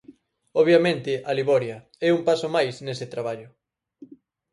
Obviamente Aliboria é un paso máis nese traballo.